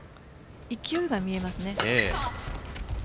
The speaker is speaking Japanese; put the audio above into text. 勢いが見えますね。